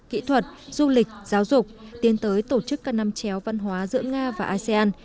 kỹ thuật du lịch giáo dục tiến tới tổ chức các năm chéo văn hóa giữa nga và asean